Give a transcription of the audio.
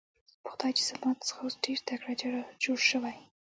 په خدای چې زما څخه اوس ډېر تکړه جراح جوړ شوی.